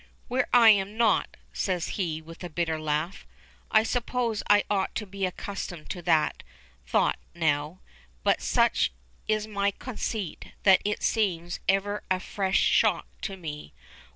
"Where I am not," says he, with a bitter laugh. "I suppose I ought to be accustomed to that thought now, but such is my conceit that it seems ever a fresh shock to me.